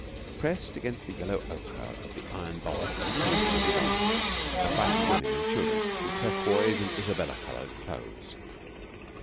Pressed against the yellow ochre of the iron bulwarks to left and right are frightened women and children in turquoise and isabella coloured clothes.